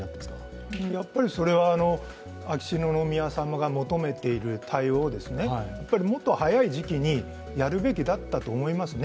それは秋篠宮さまが求めている対応をもっと早い時期にやるべきだったと思いますね。